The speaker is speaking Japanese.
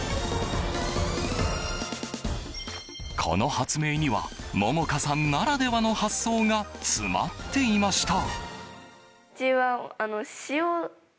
この発明には杏果さんならではの発想が詰まっていました。